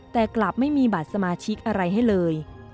แต่กลับไม่มีบัตรสมาชิกอะไรให้เลย